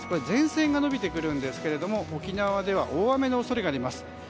前線が延びてくるんですが沖縄では大雨の恐れがあります。